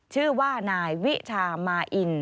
ชื่อว่านายวิชามาอิน